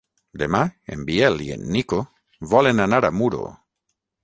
Demà en Biel i en Nico volen anar a Muro.